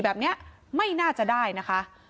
แบบนี้ไม่น่าจะได้นะคะ